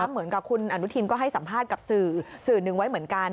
เหมือนกับคุณอนุทินก็ให้สัมภาษณ์กับสื่อหนึ่งไว้เหมือนกัน